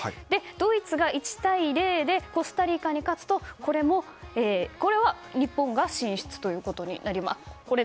ドイツが１対０でコスタリカに勝つとこれは日本が進出となります。